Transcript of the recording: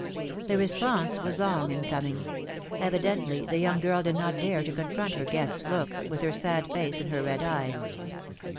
The response was long in coming ; evidently the young girl did not dare to confront her guest's looks, with her sad face, and her red eyes.